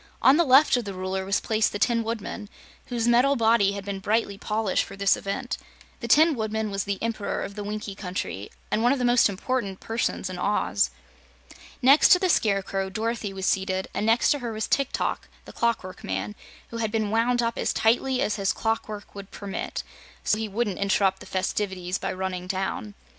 On the left of the Ruler was placed the Tin Woodman, whose metal body had been brightly polished for this event. The Tin Woodman was the Emperor of the Winkie Country and one of the most important persons in Oz. Next to the Scarecrow, Dorothy was seated, and next to her was Tik Tok, the Clockwork Man, who had been wound up as tightly as his clockwork would permit, so he wouldn't interrupt the festivities by running down.